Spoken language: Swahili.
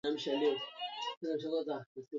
Bigobo kuko mahembe mingi